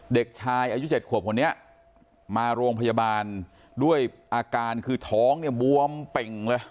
เด็กชายอายุ๗ขวบคนนี้มาโรงพยาบาลด้วยอาการคือท้องเนี่ยบวมเป่งเลย